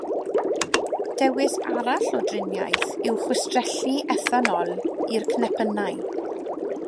Dewis arall o driniaeth yw chwistrellu ethanol i'r cnepynnau.